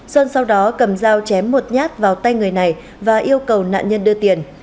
sơn sau đó cầm dao chém một nhát vào tay người này và yêu cầu nạn nhân đưa tiền